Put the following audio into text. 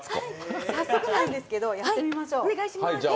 早速ですが、やってみましょう。